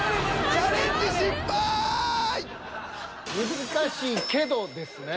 難しいけどですね。